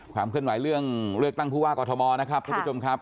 ความเคลื่อนไหวเรื่องเลือกตั้งผู้ว่ากอทมนะครับท่านผู้ชมครับ